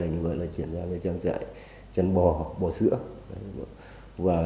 hai là chuyển sang trang trại chăn bò hoặc bò sữa